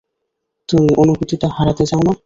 তুমি অনুভূতিটা হারাতে চাউ না?